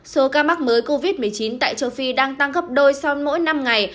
số ca mắc mới covid một mươi chín tại châu phi đang tăng gấp đôi sau mỗi năm ngày